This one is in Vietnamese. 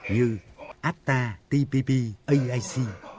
như ata tpp aic